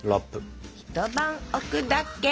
一晩置くだけ。